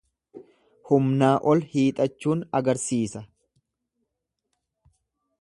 Humnaa ol hiixachuun agarsiisa.